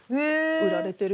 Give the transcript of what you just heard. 売られてるので。